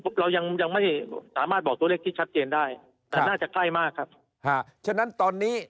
เขาบอกว่ามี